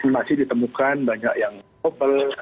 masih ditemukan banyak yang opel